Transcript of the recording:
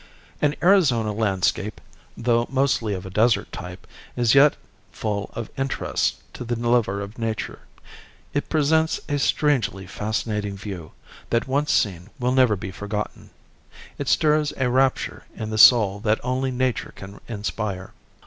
An Arizona landscape, though mostly of a desert type, is yet full of interest to the lover of nature. It presents a strangely fascinating view, that once seen, will never be forgotten. It stirs a rapture in the soul that only nature can inspire.